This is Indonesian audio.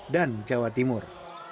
dan jawa timur